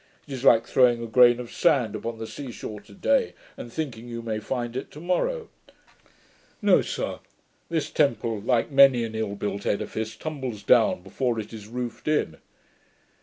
It is like throwing a grain of sand upon the sea shore today, and thinking you may find it tomorrow. No, sir, this temple, like many an ill built edifice, tumbles down before it is roofed in.'